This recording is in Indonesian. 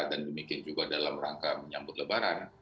dan mungkin juga dalam rangka menyambut lebaran